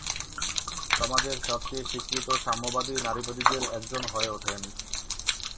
সমাজের সবচেয়ে স্বীকৃত সাম্যবাদী নারীবাদীদের একজন হয়ে ওঠেন।